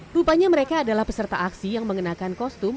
rupanya mereka adalah peserta aksi yang mengenakan kostum